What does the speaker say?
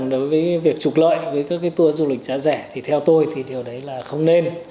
đối với việc trục lợi với các tour du lịch giá rẻ thì theo tôi thì điều đấy là không nên